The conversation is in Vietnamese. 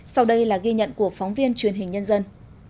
sau đây là ghi nhận của phóng viên truyền hình nhân dân